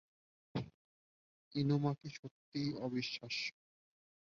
ইনুমাকি সত্যিই অবিশ্বাস্য।